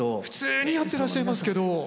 普通にやってらっしゃいますけど。